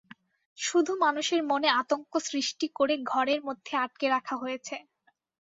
শুধু মানুষের মনে আতঙ্ক সৃষ্টি করে ঘরের মধ্যে আটকে রাখা হয়েছে।